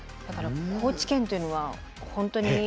だから高知県というのは本当に。